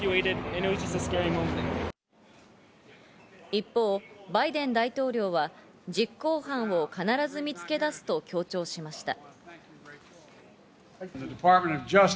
一方、バイデン大統領は実行犯を必ず見つけ出すと強調しました。